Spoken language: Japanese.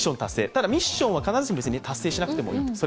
ただミッションは必ずしも達成しなくてもいいんです。